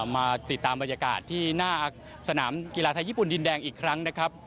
มาติดตามบรรยากาศที่หน้าสนามกีฬาไทยญี่ปุ่นดินแดงอีกครั้งนะครับ